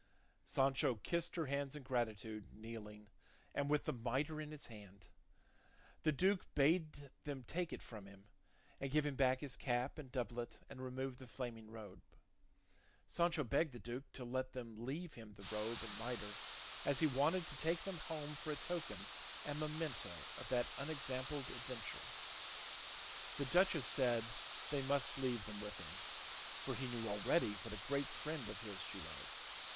Sancho kissed her hands in gratitude, kneeling, and with the mitre in his hand. The duke bade them take it from him, and give him back his cap and doublet and remove the flaming robe. Sancho begged the duke to let them leave him the robe and mitre; as he wanted to take them home for a token and memento of that unexampled adventure. The duchess said they must leave them with him; for he knew already what a great friend of his she was.